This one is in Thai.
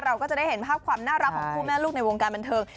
เราก็จะได้เห็นภาพความน่ารักของคู่แม่ลูกในวงการบันเทิง